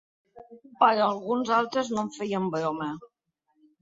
Però alguns altres no en feien broma.